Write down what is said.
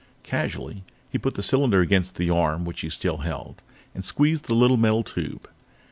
Casually, he put the cylinder against the arm which he still held and squeezed the little metal tube.